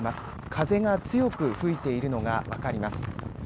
風が強く吹いているのが分かります。